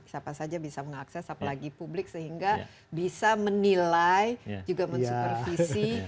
siapa saja bisa mengakses apalagi publik sehingga bisa menilai juga mensupervisi